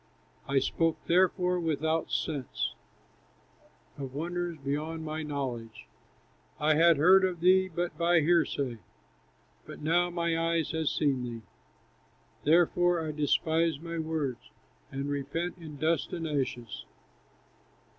I spoke, therefore, without sense, Of wonders beyond my knowledge. I had heard of thee but by hearsay, But now my eye has seen thee; Therefore I despise my words, And repent in dust and ashes."